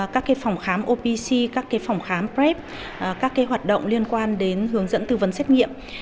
các phòng khám opc các phòng khám prep các hoạt động liên quan đến hướng dẫn tư vấn xét nghiệm